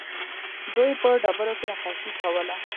دوی په ډبرو کې نقاشي کوله